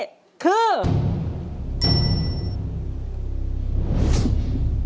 คำถามสำหรับเรื่องนี้คือ